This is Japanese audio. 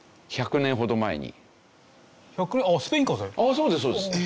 そうですそうです。